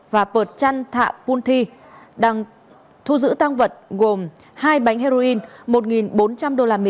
và pợt chăn thạ pun thi đang thu giữ tăng vật gồm hai bánh heroin một bốn trăm linh usd